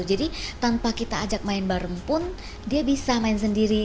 jadi tanpa kita ajak main bareng pun dia bisa main sendiri